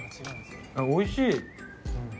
おいしい！